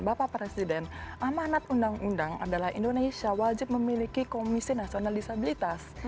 bapak presiden amanat undang undang adalah indonesia wajib memiliki komisi nasional disabilitas